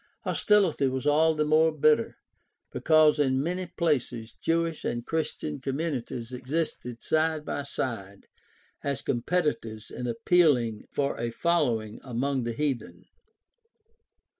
Hostility was all the more bitter because in many places Jewish and Christian com munities existed side by side as competitors in appealing for a following among the heathen.